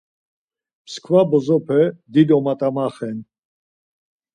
Mskva bozope dido mat̆amaxen.